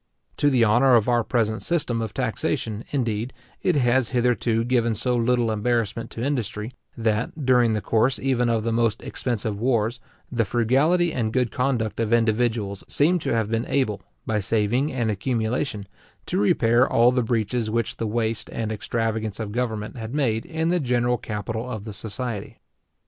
To the honour of our present system of taxation, indeed, it has hitherto given so little embarrassment to industry, that, during the course even of the most expensive wars, the frugality and good conduct of individuals seem to have been able, by saving and accumulation, to repair all the breaches which the waste and extravagance of government had made in the general capital of the society.